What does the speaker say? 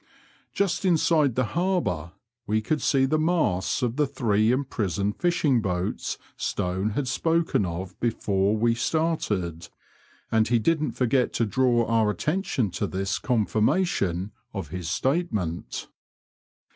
Just inside the Harbour we could see the masts of the three imprisoned fishing boats Stone had spoken of before we started, and he didn't forget to draw our attention to this confirmation of his statement.